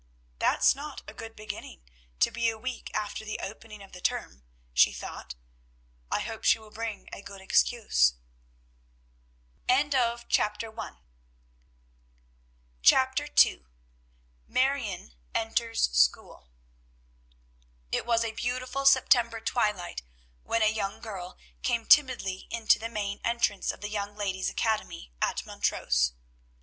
"That's not a good beginning, to be a week after the opening of the term," she thought. "I hope she will bring a good excuse." CHAPTER II. MARION ENTERS SCHOOL. It was a beautiful September twilight when a young girl came timidly into the main entrance of the Young Ladies' Academy at Montrose.